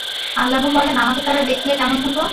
আল্লাহ বলেন, আমাকে তারা দেখলে কেমন হতো?